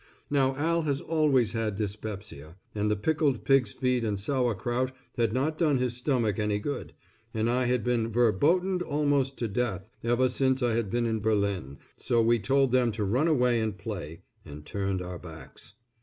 Now Al has always had dyspepsia, and the pickled pigs feet and sauerkraut had not done his stomach any good, and I had been "verbotened" almost to death ever since I had been in Berlin so we told them to run away and play, and turned our backs.